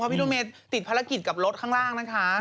เพราะพี่ลดเมฆติดภารกิจกับรถข้างล่างนะคะ